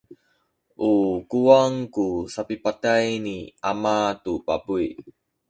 u kuwang ku sapipatay ni ama tu pabuy.